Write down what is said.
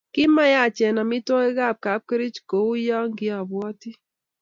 ki ma yaachen amitwokikab kapkerich kou ya kiabwoti